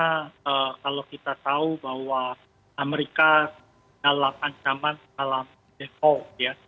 karena kalau kita tahu bahwa amerika dalam ancaman dalam default ya